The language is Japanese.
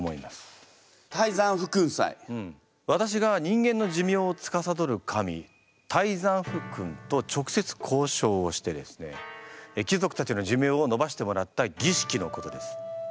私が人間の寿命をつかさどる神泰山府君と直接交渉をしてですね貴族たちの寿命をのばしてもらった儀式のことです。